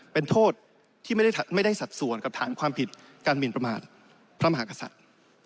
เป็นโทษที่ไม่ได้สัดส่วนกับฐานความผิดการหมินประมาทพระมหากษัตริย์